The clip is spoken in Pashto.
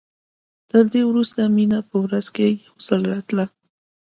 تر دې وروسته مينه په ورځ کښې يو ځل راتله.